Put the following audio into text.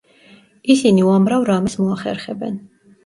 ისინი უამრავ რაიმეს მოახერხებენ.